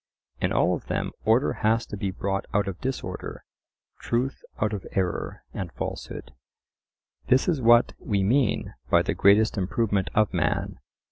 In all of them order has to be brought out of disorder, truth out of error and falsehood. This is what we mean by the greatest improvement of man.